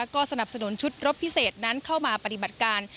ก็สนับสนุนชุดรบพิเศษนั้นเข้ามาปฏิบัติการ